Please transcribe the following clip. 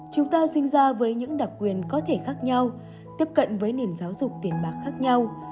chúng ta sinh ra với những đặc quyền có thể khác nhau tiếp cận với nền giáo dục tiền mạc khác nhau